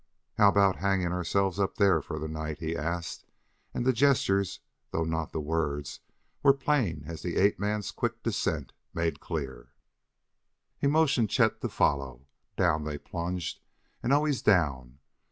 "How about hanging ourselves up there for the night?" he asked, and the gestures, though not the words, were plain, as the ape man's quick dissent made clear. He motioned Chet to follow. Down they plunged, and always down.